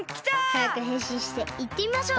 はやくへんしんしていってみましょう！